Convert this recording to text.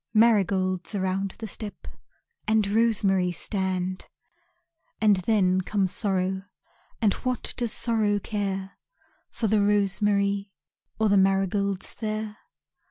Marigolds around the step And rosemary stand, And then comes Sorrow And what does Sorrow care For the rosemary Or the marigolds there?